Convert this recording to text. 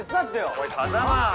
おい風真。